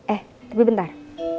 eh tapi bentar